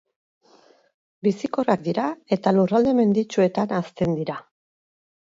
Bizikorrak dira eta lurralde menditsuetan hazten dira.